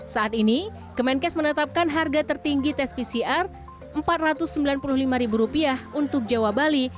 saat ini kemenkes menetapkan harga tertinggi tes pcr rp empat ratus sembilan puluh lima untuk jawa bali